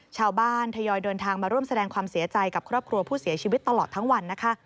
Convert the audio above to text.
ทยอยเดินทางมาร่วมแสดงความเสียใจกับครอบครัวผู้เสียชีวิตตลอดทั้งวันนะคะ